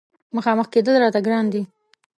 مخامخ کېدل راته ګرانه دي.